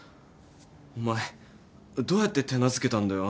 お前どうやって手なずけたんだよ